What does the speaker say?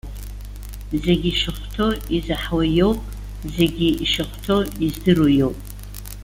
Зегьы ишахәҭоу изаҳауа иоуп, зегьы ишахәҭоу издыруа иоуп.